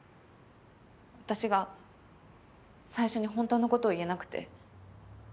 私が最初に本当の事を言えなくて。